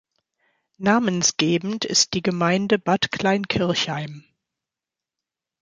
Namensgebend ist die Gemeinde Bad Kleinkirchheim.